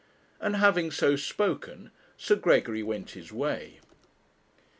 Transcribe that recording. And having so spoken, Sir Gregory went his way.